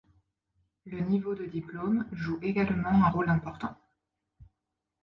Le niveau de diplôme joue également un rôle important.